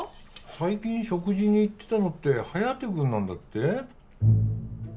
最近食事に行ってたのって颯君なんだって？